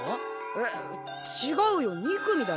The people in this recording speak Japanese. えっちがうよ２組だよ。